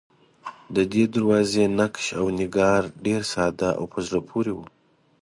ددې دروازې نقش و نگار ډېر ساده او په زړه پورې و.